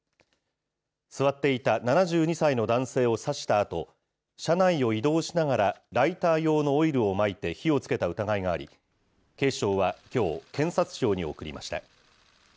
座っていた７２歳の男性を刺したあと、車内を移動しながらライター用のオイルをまいて火をつけた疑いがあり、警視庁はきょう、検察庁に送りました。